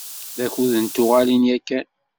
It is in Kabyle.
D akud n tuɣalin yakan.